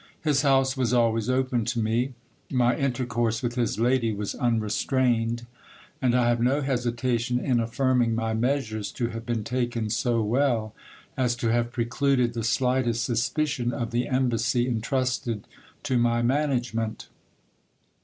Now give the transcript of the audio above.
His house was always open to me, my inter course with his lady was unrestrained ; and I have no hesitation in affirming my measures to have been taken so well, as to have precluded the slightest suspicion of the embassy intrusted to my management.